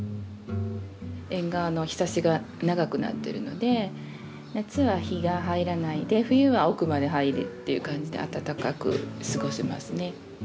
縁側のひさしが長くなってるので夏は日が入らないで冬は奥まで入るっていう感じで暖かく過ごせますね。